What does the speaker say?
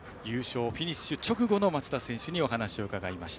優勝フィニッシュ直後の松田選手に、お話を伺いました。